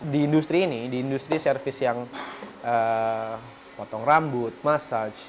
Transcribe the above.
di industri ini di industri service yang potong rambut massage